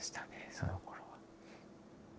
そのころは。